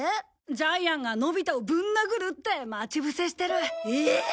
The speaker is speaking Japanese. ジャイアンがのび太をぶん殴るって待ち伏せしてる。ええーっ！